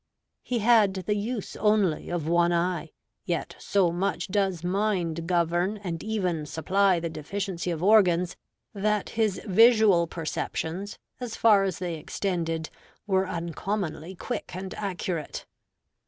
He had the use only of one eye; yet so much does mind govern and even supply the deficiency of organs, that his visual perceptions, as far as they extended, were uncommonly quick and accurate.